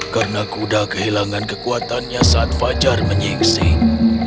karena kuda kehilangan kekuatannya saat fajar menyingsing